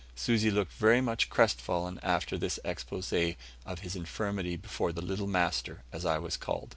Susi looked very much crestfallen after this exposé of his infirmity before the "little master," as I was called.